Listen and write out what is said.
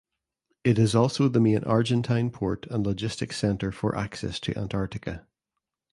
It is also the main Argentine port and logistics center for access to Antarctica.